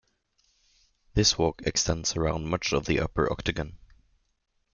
This walk extends around much of the upper Octagon.